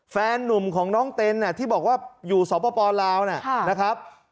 แฟนนุ่มของน้องเต็นที่บอกว่าอยู่สปลาวนะครับ